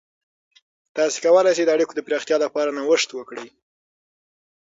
تاسې کولای سئ د اړیکو د پراختیا لپاره نوښت وکړئ.